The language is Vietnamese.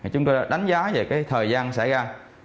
chúng ta đánh giá về cái thời gian xảy ra